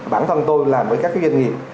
bản thân tôi làm với các cái doanh nghiệp